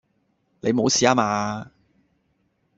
你冇事吖嘛?